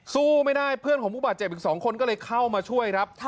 สู้ไม่ได้เพื่อนของผู้บาดเจ็บอีก๒คนก็เลยเข้ามาช่วยครับ